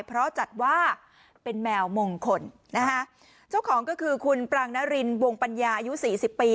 เพราะจัดว่าเป็นแมวมงคลนะฮะเจ้าของก็คือคุณปรางนารินวงปัญญาอายุสี่สิบปี